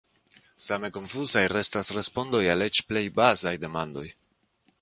Same konfuzaj restas respondoj al eĉ plej bazaj demandoj.